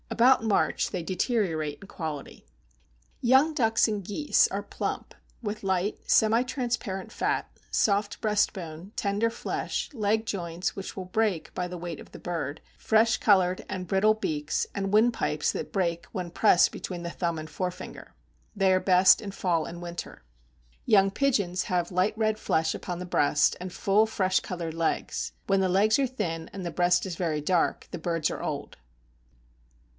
About March they deteriorate in quality. Young ducks and geese are plump, with light, semi transparent fat, soft breast bone, tender flesh, leg joints which will break by the weight of the bird, fresh colored and brittle beaks, and windpipes that break when pressed between the thumb and forefinger. They are best in fall and winter. Young pigeons have light red flesh upon the breast, and full, fresh colored legs; when the legs are thin, and the breast is very dark, the birds are old.